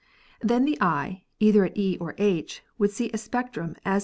Then the eye, either at E or H, would see a spectrum a Fig.